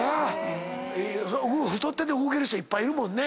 太ってて動ける人いっぱいいるもんね。